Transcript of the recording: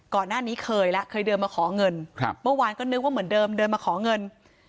ก่อนหน้านี้เคยแล้วเคยเดินมาขอเงินเมื่อวานก็นึกว่าเหมือนเดิมเดินมาขอเงิน